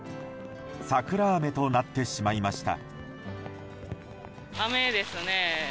桜雨となってしまいました。